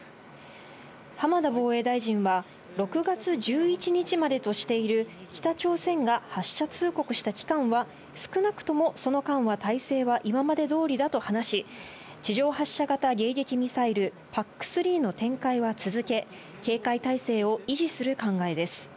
浜田防衛大臣は、６月１１日までとしている北朝鮮が発射通告した期間は、少なくともその間は態勢は今までどおりだと話し、地上発射型迎撃ミサイル・ＰＡＣ３の展開は続け、警戒態勢を維持する考えです。